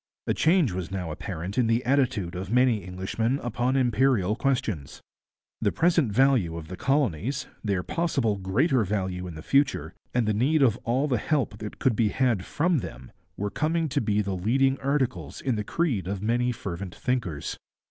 A change was now apparent in the attitude of many Englishmen upon imperial questions. The present value of the colonies, their possible greater value in the future, and the need of all the help that could be had from them, were coming to be the leading articles in the creed of many fervent thinkers.